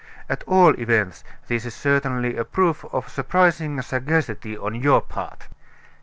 At all events, this is certainly a proof of surprising sagacity on your part."